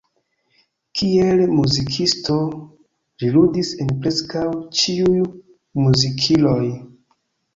Kiel muzikisto, li ludis en preskaŭ ĉiuj muzikiloj.